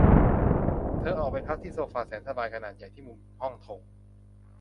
เธอออกไปพักที่โซฟาแสนสบายขนาดใหญ่ที่มุมห้องโถง